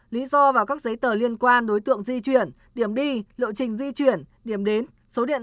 lý do và các giấy tờ liên quan đối tượng di chuyển điểm đi lộ trình di chuyển điểm đến